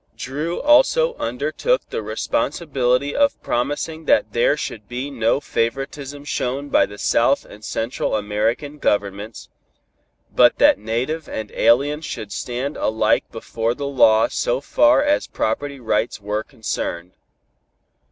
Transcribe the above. Dru also undertook the responsibility of promising that there should be no favoritism shown by the South and Central American governments, but that native and alien should stand alike before the law so far as property rights were concerned.